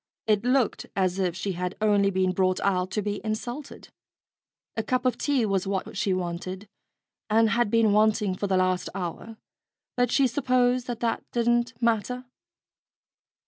It looked as if she had only been brought out to be insulted. A cup of tea was what she wanted, and had been wanting for the last hour; but she supposed that that didn't matter.